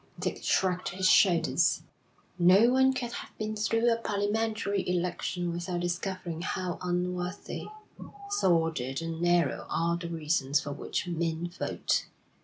Dick shrugged his shoulders. 'No one can have been through a parliamentary election without discovering how unworthy, sordid, and narrow are the reasons for which men vote.